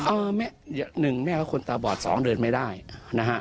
เออแม่หนึ่งแม่ก็คนตาบอดสองเดินไม่ได้นะฮะ